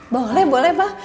boleh boleh pak